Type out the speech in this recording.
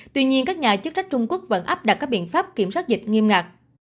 tuy nhiên các nhà chức trách trung quốc vẫn áp đặt các biện pháp kiểm soát dịch nghiêm ngặt